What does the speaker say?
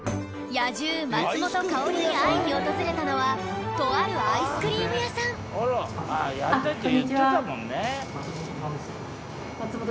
野獣松本薫に会いに訪れたのはとあるアイスクリーム屋さん